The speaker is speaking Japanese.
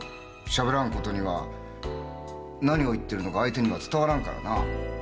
しゃべらんことには何を言ってるのか相手には伝わらんからな。